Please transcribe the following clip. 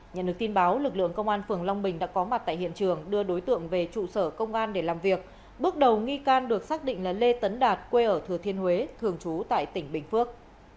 nhận được tin báo lực lượng công an phường long bình đã có mặt tại hiện trường đưa đối tượng về trụ sở công an để làm việc bước đầu nghi can được xác định là lê tấn đạt quê ở thừa thiên huế thường trú tại tỉnh bình phước